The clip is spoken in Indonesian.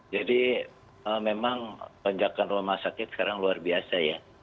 jadi memang penjagaan rumah sakit sekarang luar biasa ya